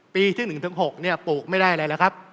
ปีที่๑๖เนี่ยปลูกไม่ได้อะไรแล้วครับ